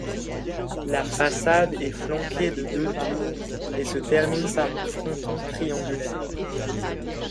La façade est flanquée de deux tours et se termine par un fronton triangulaire.